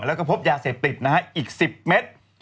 แล้วก็พบยาเสพติดนะฮะอีก๑๐เมตร